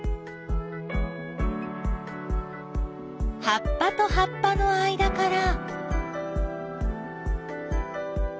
葉っぱと葉っぱの間から。